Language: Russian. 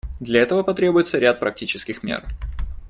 Для этого потребуется ряд практических мер.